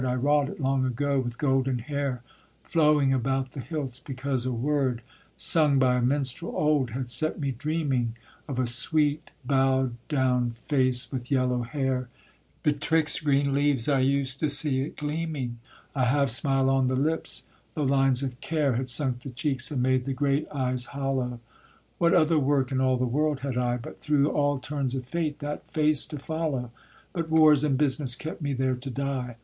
I wrought it long ago, with golden hair Flowing about the hilts, because a word, Sung by a minstrel old, had set me dreaming Of a sweet bow'd down face with yellow hair; Betwixt green leaves I used to see it gleaming, A half smile on the lips, though lines of care Had sunk the cheeks, and made the great eyes hollow; What other work in all the world had I, But through all turns of fate that face to follow? But wars and business kept me there to die.